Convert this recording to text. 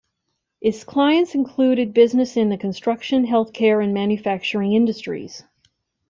Its clients included business in the construction, health care and manufacturing industries.